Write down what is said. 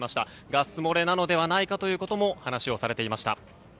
ガス漏れなのではないかとも話をされていました。